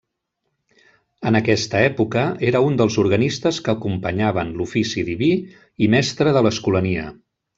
En aquesta època era un dels organistes que acompanyaven l'ofici diví i mestre de l'Escolania.